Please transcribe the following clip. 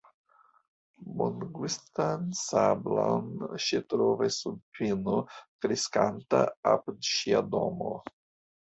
Bongustan sablon ŝi trovas sub pino kreskanta apud ŝia domo.